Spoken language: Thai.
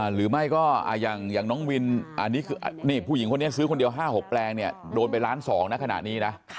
หรือไม่ก็อย่างน้องวินอันนี้ผู้หญิงคนนี้ซื้อคนเดียว๕๖แปลงเนี่ยโดนไปล้าน๒นะขณะนี้นะ